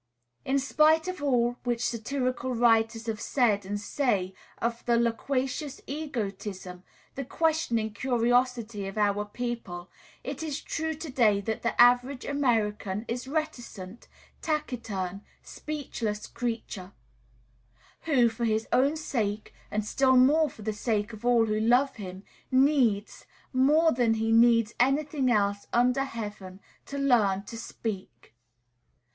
In spite of all which satirical writers have said and say of the loquacious egotism, the questioning curiosity of our people, it is true to day that the average American is a reticent, taciturn, speechless creature, who, for his own sake, and still more for the sake of all who love him, needs, more than he needs any thing else under heaven, to learn to speak.